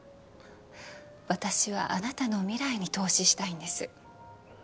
私はあなたの未来に投資したいんです